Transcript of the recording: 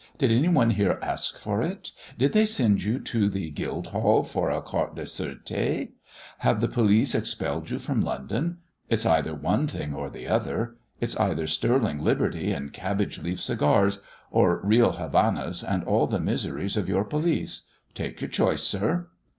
Did any one here ask for it? Did they send you to the Guildhall for a carte de sureté? Have the police expelled you from London? It's either one thing or the other. It's either sterling liberty and cabbage leaf cigars, or real Havanas and all the miseries of your police. Take your choice, sir."